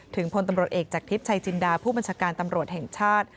พลตำรวจเอกจากทิพย์ชัยจินดาผู้บัญชาการตำรวจแห่งชาติ